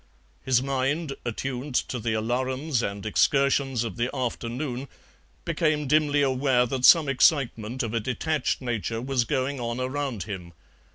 His mind, attuned to the alarums and excursions of the afternoon, became dimly aware that some excitement of a detached nature was going on around him.